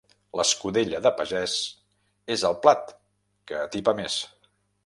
L'escudella de pagès és el plat que atipa més.